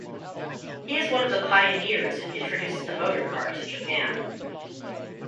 He is one of the pioneers who introduced the motor car to Japan.